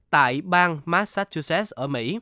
tại bang massachusetts ở mỹ